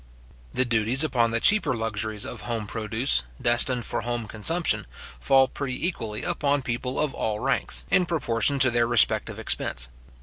The duties upon the cheaper luxuries of home produce, destined for home consumption, fall pretty equally upon people of all ranks, in proportion to their respective expense.